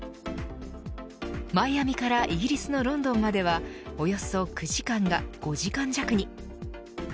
マイアミからイギリスのロンドンまではおよそ９時間が５時間弱に。